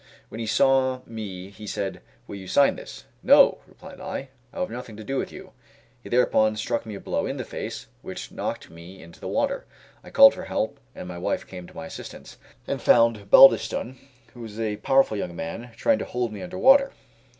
When he saw me he said: "Will you sign this?" "No!" replied I, "I will have nothing to do with you." He thereupon struck me a blow in the face, which knocked me into the water. I called for help, and my wife came to my assistance, and found Baldiston, who was a powerful young man, trying to hold me under water.